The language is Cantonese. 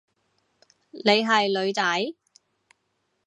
你係女仔？